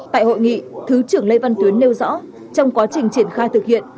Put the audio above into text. tại hội nghị thứ trưởng lê văn tuyến nêu rõ trong quá trình triển khai thực hiện